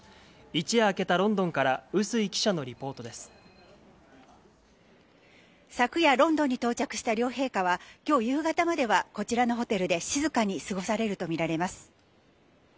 一夜明けたロンドンから、昨夜、ロンドンに到着した両陛下は、きょう夕方までは、こちらのホテルで静かに過ごされると見られます。